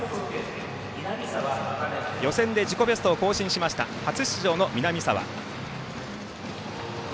予選で自己ベストを更新しました初出場の南澤。